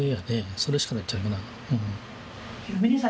それしかないっちゃないかな。